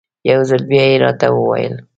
یو ځل بیا یې راته وویل.